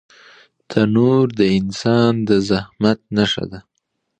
تنور د انسان د زحمت نښه ده